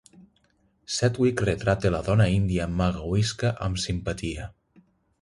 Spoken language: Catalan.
Sedgwick retrata la dona índia "Magawisca" amb simpatia.